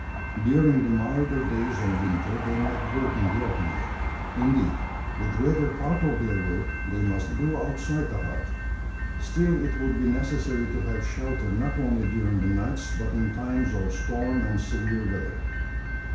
During the milder days of winter they might work in the open air; indeed, the greater part of their work they must needs do outside the hut. Still it would be necessary to have shelter not only during the nights, but in times of storm and severe weather.